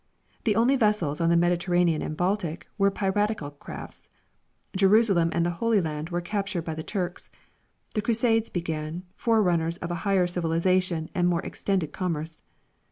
The only vessels on the Mediterranean and Baltic were piratical crafts ; Jerusalem and the Holy Land were cap tured by the Turks ; the Crusades began, forerunners of a higher civilization and more extended commerce.